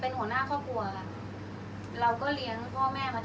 อันไหนที่มันไม่จริงแล้วอาจารย์อยากพูด